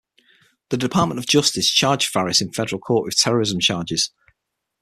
The Department of Justice charged Faris in federal court with terrorism charges.